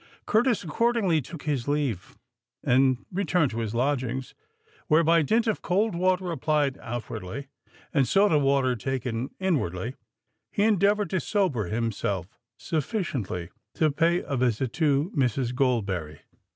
Curtis accordingly took his leave, and returned to his lodgings, where by dint of cold water applied outwardly and soda water taken inwardly, he endeavoured to sober himself sufficiently to pay a visit to Mrs. Goldberry.